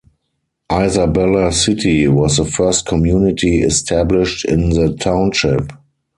Isabella City - was the first community established in the township.